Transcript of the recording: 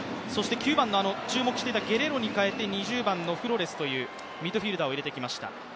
９番の注目していたゲレロに代えて２０番のフロレスという選手を入れてきました。